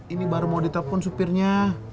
ini baru mau ditelepon supirnya